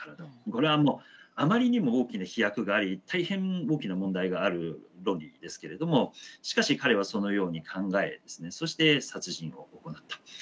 これはあまりにも大きな飛躍があり大変大きな問題がある論理ですけれどもしかし彼はそのように考えそして殺人を行った。